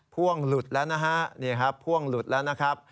พ่วงหลุดแล้วนะฮะนี่ครับพ่วงหลุดแล้วนะครับ